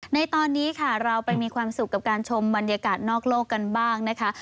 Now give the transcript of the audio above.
ในตอนนี้ค่ะเราไปมีความสุขกับการชมบรรยากาศนอกโลกกันบ้างนะคะ